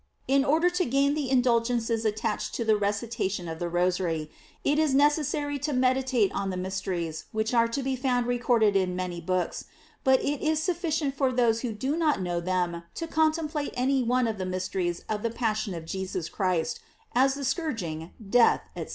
GLORIES OF MARY 655 In order to gain the indulgences attached to the recitation of the Rosary, it is necessary to meditate on the mysteries which are to be found recorded in many books; but it is sufficient for those who do not know them to contemplate any one of the mysteries of the passion of Jesus Christ, as the scourging, death, &c.